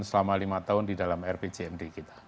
selama lima tahun di dalam rpjmd kita